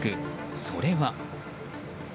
それは。